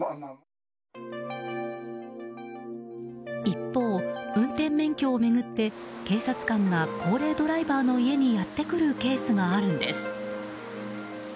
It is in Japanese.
一方、運転免許を巡って警察官が高齢ドライバーの家にやってくるケースがあるんです。